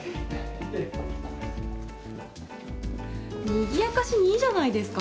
にぎやかしにいいじゃないですか。